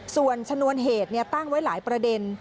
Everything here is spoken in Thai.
ส่วนชนวนเหตุตั้งไว้หลายประเด็น